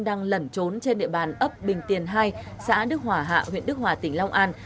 đang lẩn trốn trên địa bàn ấp bình tiền hai xã đức hỏa hạ huyện đức hòa tỉnh long an